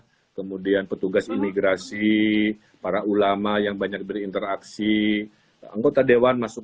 kemudian petugas imigrasi para ulama yang banyak berinteraksi anggota dewan masuk